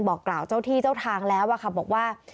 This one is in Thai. บอกกล่าวเจ้าที่เจ้าทางแล้วบอกว่า